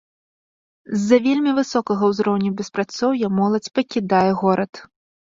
З-за вельмі высокага ўзроўню беспрацоўя моладзь пакідае горад.